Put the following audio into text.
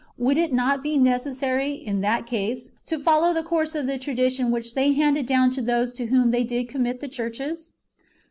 Would it not be necessary, [in that case,] to fol low the course of the tradition which they handed down to those to whom they did commit the churches